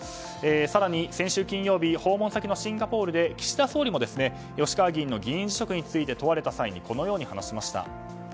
更に先週金曜日訪問先のシンガポールで岸田総理も吉川議員の議員辞職について問われた際にこのように話しました。